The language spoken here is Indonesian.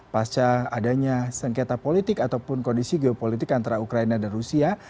pasca adanya sengketa politik ataupun kondisi geopolitik antara ukraina dan rusia